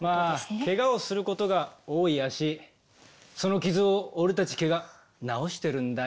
まあけがをすることが多い足その傷を俺たち毛が治してるんだよ。